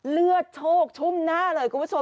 เลือดโชคชุ่มหน้าเลยคุณผู้ชม